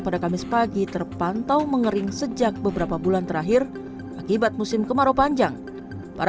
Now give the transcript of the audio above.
pada kamis pagi terpantau mengering sejak beberapa bulan terakhir akibat musim kemarau panjang para